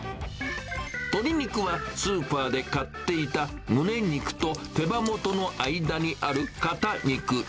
鶏肉はスーパーで買っていた、むね肉と手羽元の間にある肩肉。